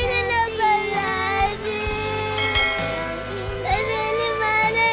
gue yang bawa polisi kesini